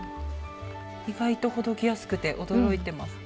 意外とほどきやすくて驚いてます。